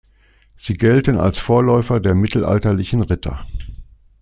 Sie gelten als Vorläufer der mittelalterlichen Ritter.